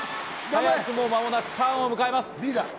間もなくターンを迎えます。